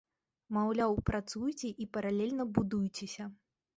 Маўляў, працуйце, і паралельна будуйцеся!